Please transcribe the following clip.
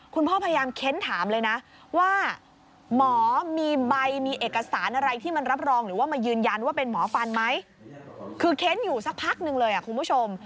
เค้นอยู่สักพักหนึ่งเลยคุณผู้ชม